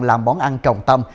làm món ăn trọng tâm